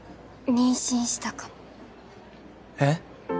妊娠したかもえっ？